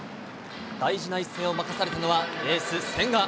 大事な一戦を任されたのはエース、千賀。